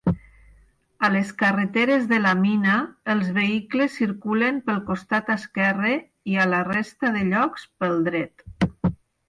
A les carreteres de la mina, els vehicles circulen pel costat esquerre i a la resta de llocs, pel dret.